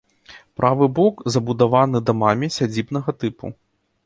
Правы бок забудаваны дамамі сядзібнага тыпу.